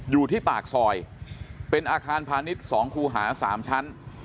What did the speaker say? อยู่ที่ปากซอยเป็นอาคารพาณิชย์๒คูหา๓ชั้น